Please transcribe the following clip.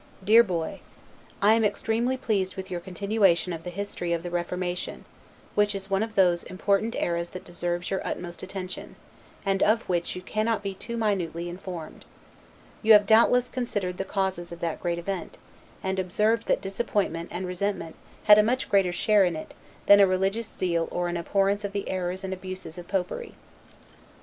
1748. DEAR BOY: I am extremely pleased with your continuation of the history of the Reformation; which is one of those important eras that deserves your utmost attention, and of which you cannot be too minutely informed. You have, doubtless, considered the causes of that great event, and observed that disappointment and resentment had a much greater share in it, than a religious zeal or an abhorrence of the errors and abuses of popery.